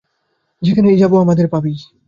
যেখানেই যাবি আমাদের পাবি!